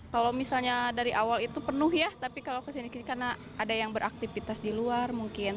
kalau misalnya dari awal itu penuh ya tapi kalau kesini kesini karena ada yang beraktivitas di luar mungkin